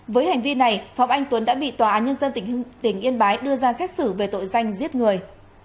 với hành vi này phạm anh tuấn đã bị tòa án nhân dân tỉnh yên bái đưa ra xét xử về tội danh giết người